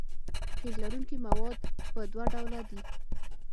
قیر لرونکي مواد په دوه ډوله دي